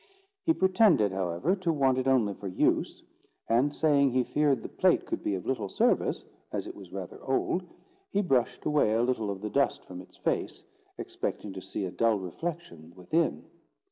He pretended, however, to want it only for use; and saying he feared the plate could be of little service, as it was rather old, he brushed away a little of the dust from its face, expecting to see a dull reflection within.